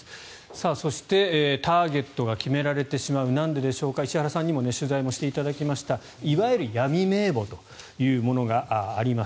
そして、ターゲットが決められてしまうなんででしょうか石原さんにも取材していただきましたいわゆる闇名簿というものがあります。